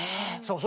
そう。